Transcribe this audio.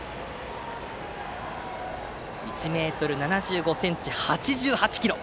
１ｍ７５ｃｍ、８８ｋｇ。